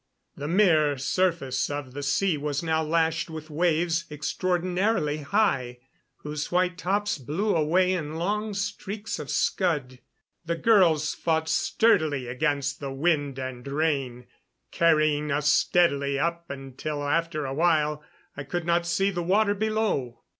The mirror surface of the sea was now lashed with waves, extraordinarily high, whose white tops blew away in long streaks of scud. The girls fought sturdily against the wind and rain, carrying us steadily up until after a while I could not see the water below.